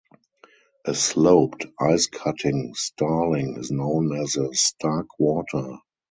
A sloped, ice-cutting starling is known as a starkwater.